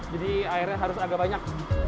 jadi airnya harus agak banyak